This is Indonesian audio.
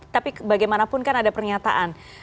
tapi bagaimanapun kan ada pernyataan